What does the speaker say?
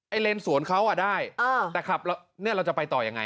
ไอ้เลนสวนเขาได้แต่ขับเราจะไปต่อยังไง